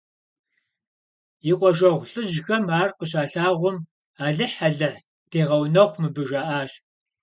И къуажэгъу лӀыжьхэм ар къыщалъагъум, алыхь – алыхь дегъэунэхъу мыбы, жаӀащ.